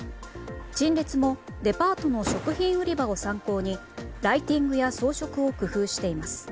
陳列もデパートの食品売り場を参考にライティングや装飾を工夫しています。